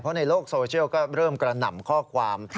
เพราะในโลกโซเชียลก็เริ่มกระหน่ำข้อความ